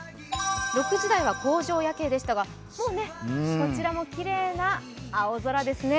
６時台は工場夜景でしたが、もうこちらもきれいな青空ですね。